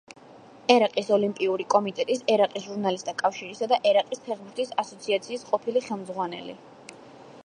ერაყის ოლიმპიური კომიტეტის, ერაყის ჟურნალისტთა კავშირისა და ერაყის ფეხბურთის ასოციაციის ყოფილი ხელმძღვანელი.